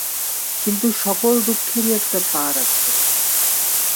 কিন্তু সকল দুঃখেরই একটা পার আছে।